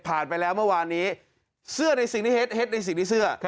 ไปแล้วเมื่อวานนี้เสื้อในสิ่งที่เฮ็ดในสิ่งที่เสื้อ